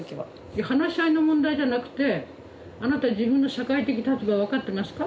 いや話し合いの問題じゃなくてあなた自分の社会的立場分かってますか？